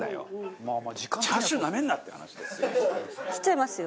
切っちゃいますよ。